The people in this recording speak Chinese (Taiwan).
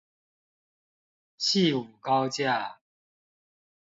汐五高架